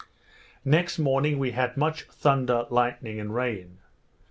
Next day we had much thunder, lightning, and rain.